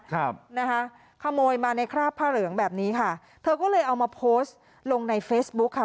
ครับนะคะขโมยมาในคราบผ้าเหลืองแบบนี้ค่ะเธอก็เลยเอามาโพสต์ลงในเฟซบุ๊คค่ะ